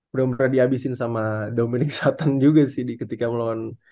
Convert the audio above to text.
bener bener dihabisin sama dominic sutton juga sih di ketika melawan